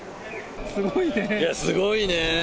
すごいね。